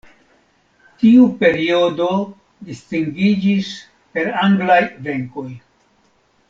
Tiu periodo distingiĝis per anglaj venkoj.